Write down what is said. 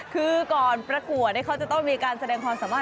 คือก่อนประกวดเขาจะต้องมีการแสดงความสามารถ